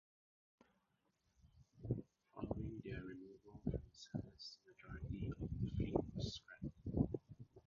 Following their removal from service, the majority of the fleet was scrapped.